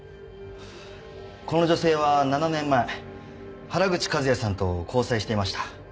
この女性は７年前原口和也さんと交際していました。